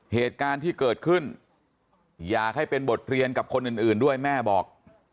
เหตุการณ์ที่เกิดขึ้นอยากให้เป็นบทเรียนกับคนอื่นด้วยแม่บอก